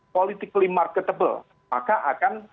politikly marketable maka akan